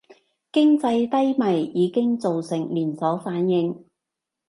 經濟低迷已經造成連鎖反應